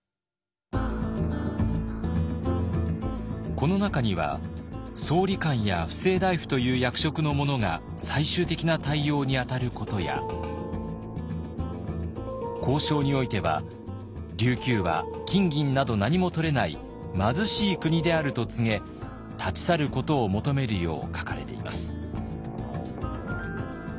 この中には総理官や布政大夫という役職の者が最終的な対応に当たることや交渉においては琉球は金銀などなにもとれない貧しい国であると告げ立ち去ることを求めるよう書かれています。